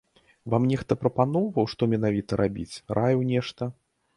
Вам нехта прапаноўваў, што менавіта рабіць, раіў нешта?